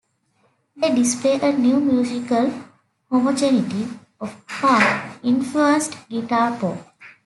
They display a new musical homogeneity of punk-influenced guitar pop.